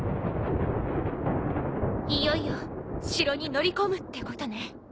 いよいよ城に乗り込むってことね。